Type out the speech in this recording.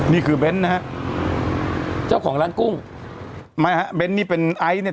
เบ้นนะฮะเจ้าของร้านกุ้งไม่ฮะเบ้นนี่เป็นไอซ์เนี่ย